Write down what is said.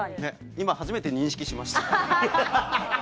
今初めて認識しました。